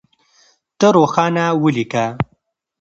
ته روښانه وليکه.